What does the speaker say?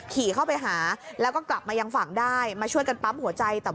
ขี่เข้าไปหาแล้วก็กลับมายังฝั่งได้มาช่วยกันปั๊มหัวใจ